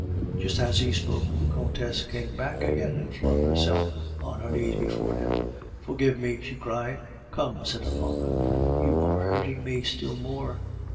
Just as he spoke, the Countess came back again and flung herself on her knees before him. "Forgive me!" she cried. "Come," said her father, "you are hurting me still more."